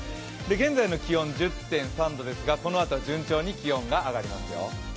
現在の気温１０．３度ですがこのあと順調に気温が上がりますよ。